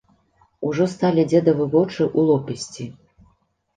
Ужо сталі дзедавы вочы ў лоб ісці.